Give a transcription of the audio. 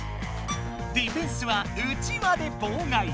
ディフェンスはうちわでぼうがい。